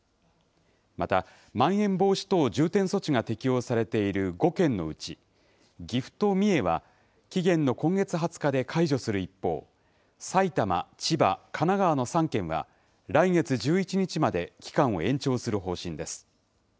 また、まん延防止等重点措置が適用されている５県のうち、岐阜と三重は期限の今月２０日で解除する一方、埼玉、千葉、神奈川の３県は、来月１１日まで期間を延長する方針です。